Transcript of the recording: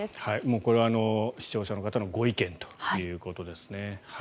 これは視聴者の方のご意見ということですね。